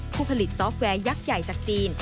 ผู้ผลิตซอฟต์แวร์ยักษ์ใหญ่จากจีน